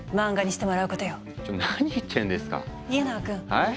はい？